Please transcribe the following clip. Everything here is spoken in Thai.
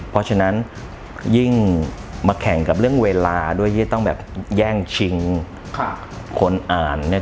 เพราะฉะนั้นยิ่งมาแข่งกับเรื่องเวลาด้วยที่จะต้องแบบแย่งชิงคนอ่านเนี่ย